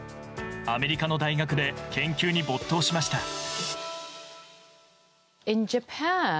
アメリカの大学で研究に没頭しました。